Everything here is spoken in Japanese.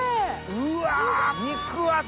・うわ肉厚！